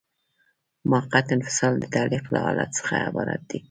موقت انفصال د تعلیق له حالت څخه عبارت دی.